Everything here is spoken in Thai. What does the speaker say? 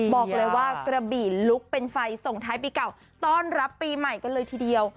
บอกเลยว่ากระบี่ลุกเป็นไฟส่งท้ายปีเก่าต้อนรับปีใหม่กันเลยทีเดียว